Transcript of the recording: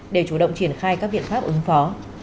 để chủ động triển khai các biện pháp ứng phó